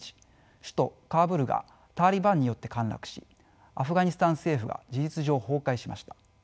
首都カブールがタリバンによって陥落しアフガニスタン政府が事実上崩壊しました。